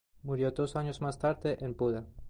Murió dos años más tarde en Buda.